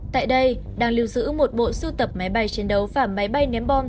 tại đây đang lưu giữ một bộ sưu tập máy bay chiến đấu và máy bay ném bom